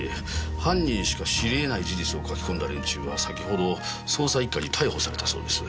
犯人しか知りえない事実を書き込んだ連中は先ほど捜査一課に逮捕されたそうです。